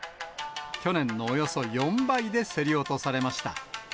去年のおよそ４倍で競り落とされました。